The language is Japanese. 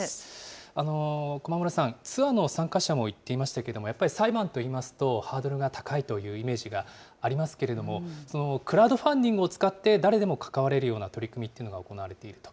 駒村さん、ツアーの参加者も言っていましたけれども、やっぱり裁判といいますと、ハードルが高いというイメージがありますけれども、クラウドファンディングを使って誰でも関われるような取り組みっていうのが行われていると。